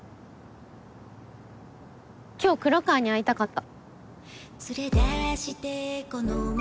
今日黒川に会いたかった。